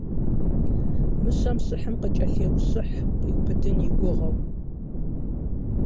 Мыщэм щыхьым къыкӀэлъейущыхь къиубыдын и гугъэу.